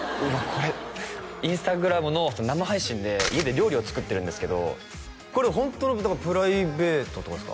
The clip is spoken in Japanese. これＩｎｓｔａｇｒａｍの生配信で家で料理を作ってるんですけどこれホントのだからプライベートとかですか？